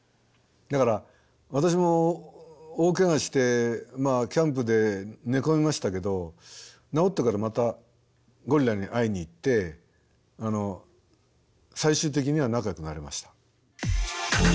だから私も大ケガしてキャンプで寝込みましたけど治ってからまたゴリラに会いに行って最終的には仲よくなりました。